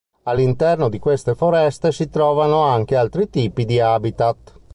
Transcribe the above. All'interno di queste foreste si trovano anche altri tipi di "habitat".